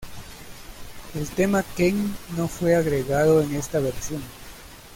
El tema "Ken" no fue agregado en esta versión.